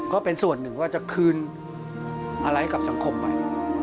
ก็เป็นส่วนหนึ่งว่าจะคืนอะไรกับสังคมใหม่